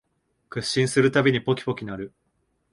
屈伸するたびにポキポキ鳴る